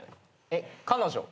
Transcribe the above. えっ彼女？